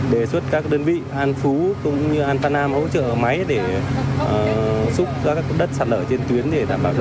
để đảm bảo giao thông